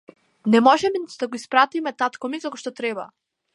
Не можеме ниту да го испpaтиме тaткo ми како што треба